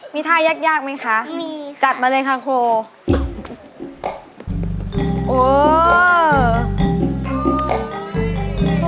มีท่ายากมั้ยคะกัดมาเลยค่ะครูครูมีค่ะ